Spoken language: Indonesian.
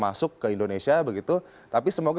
masuk ke indonesia begitu tapi semoga